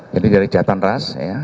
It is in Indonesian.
jadi dari jatan ras